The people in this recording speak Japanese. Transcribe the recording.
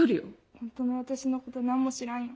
「本当の私のこと何も知らんよ」。